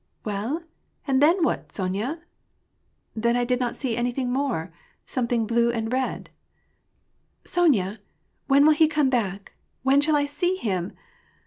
" Well, and then what, Sonya ?"'*' Then I did not see anything more ! Something blue and red" —" Sonya ! When will he come back ? When shall I see him